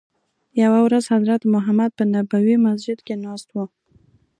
یوه ورځ حضرت محمد په نبوي مسجد کې ناست وو.